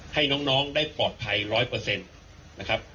ให้น้องน้องได้ปลอดภัยร้อยเปอร์เซ็นต์นะครับ